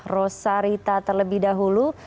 rosarita terlebih dahulu